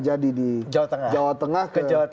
jadi di jawa tengah ke